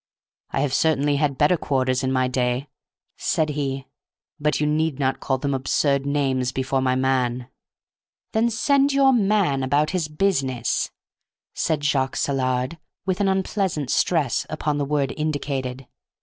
"I have certainly had better quarters in my day," said he, "but you need not call them absurd names before my man." "Then send your 'man' about his business," said Jacques Saillard, with an unpleasant stress upon the word indicated.